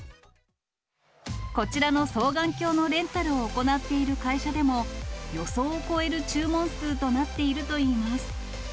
こちらの双眼鏡のレンタルを行っている会社でも、予想を超える注文数となっているといいます。